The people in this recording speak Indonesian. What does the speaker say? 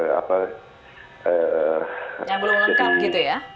apa yang belum lengkap gitu ya